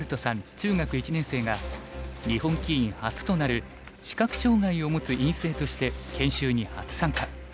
中学１年生が日本棋院初となる視覚障がいをもつ院生として研修に初参加。